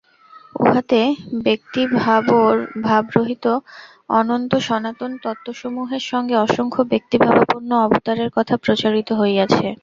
উহাতে ব্যক্তিভাবরহিত অনন্ত সনাতন তত্ত্বসমূহের সঙ্গে অসংখ্য ব্যক্তিভাবাপন্ন অবতারের কথা প্রচারিত হইয়াছে।